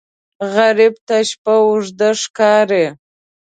غریب ته شپه اوږده ښکاري